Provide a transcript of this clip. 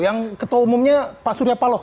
yang ketua umumnya pak surya paloh